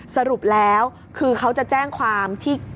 สรุปแล้วคือเขาจะแจ้งความที่